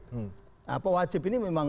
nah pewajib ini memang